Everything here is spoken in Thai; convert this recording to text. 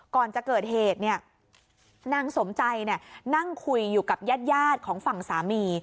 ก่อนจะเกิดเหตุเนี่ยนางสมใจเนี่ยนั่งคุยอยู่กับญาติยาดของฝั่งสามี